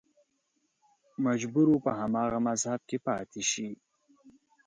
مجبور و په هماغه مذهب کې پاتې شي